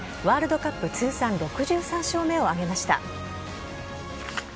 ワールドカップ通算６３勝目を挙げました。